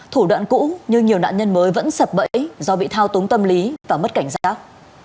thủ đoạn cũ nhưng nhiều nạn nhân mới vẫn sập bẫy do bị thao túng tâm lý và mất cảnh giác